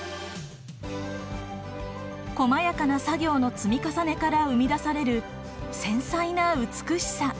こまやかな作業の積み重ねから生み出される繊細な美しさ。